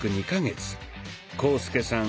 浩介さん